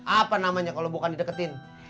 apa namanya kalo bukan di deketin